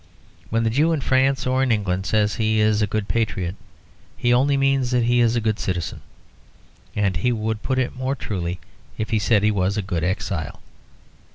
When the Jew in France or in England says he is a good patriot he only means that he is a good citizen, and he would put it more truly if he said he was a good exile.